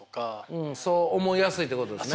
うんそう思いやすいってことですね。